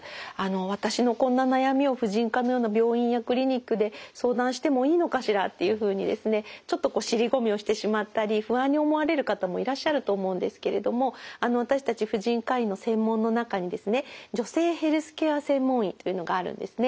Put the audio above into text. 私のこんな悩みを婦人科のような病院やクリニックで相談してもいいのかしらっていうふうにですねちょっと尻込みをしてしまったり不安に思われる方もいらっしゃると思うんですけれども私たち婦人科医の専門の中にですね女性ヘルスケア専門医というのがあるんですね。